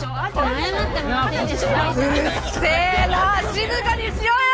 静かにしろよ！